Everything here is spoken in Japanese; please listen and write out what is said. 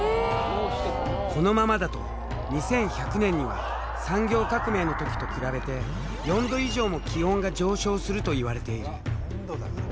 このままだと２１００年には産業革命の時と比べて４℃以上も気温が上昇するといわれている。